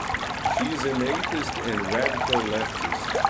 She is an atheist and radical leftist.